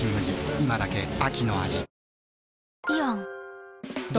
今だけ秋の味